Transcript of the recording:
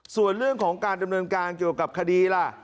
ส่วนเรื่องของการดำเนินการเกี่ยวกับคดีล่ะ